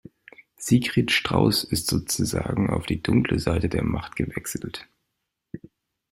Sigrid Strauß ist sozusagen auf die dunkle Seite der Macht gewechselt.